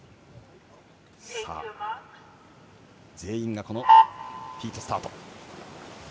全員がフィートスタート。